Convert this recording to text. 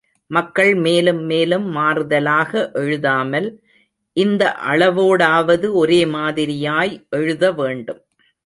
மக்கள் மேலும் மேலும் மாறுதலாக எழுதாமல், இந்த அளவோடாவது ஒரே மாதிரியாய் எழுத வேண்டும்.